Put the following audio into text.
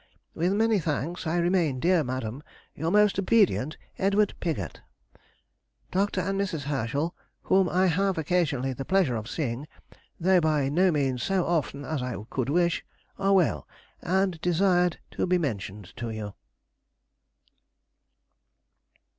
With many thanks, I remain, Dear madam, Your most obedient EDWD. PIGOTT. Dr. and Mrs. Herschel, whom I have occasionally the pleasure of seeing, though by no means so often as I could wish, are well, and desired to be mentioned to you.